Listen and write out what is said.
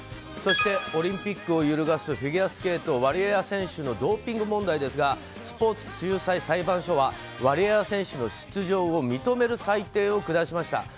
そしてオリンピックを揺るがすフィギュアスケートワリエワ選手のドーピング問題ですがスポーツ仲裁裁判所はワリエワ選手の出場を認める裁定を下しました。